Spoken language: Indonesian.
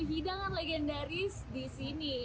hidangan legendaris di sini